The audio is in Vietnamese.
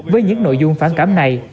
với những nội dung phán cảm này